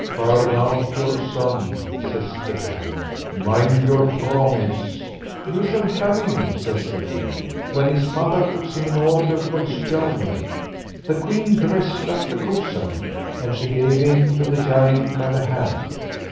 "Turn out your son," says the giant; "mind your promise." "You shall have him," says the king, "when his mother puts him in order for his journey." The queen dressed up the cook's son, and she gave him to the giant by the hand.